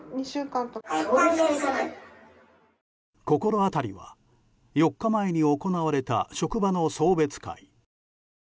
心当たりは４日前に行われた職場の送別会。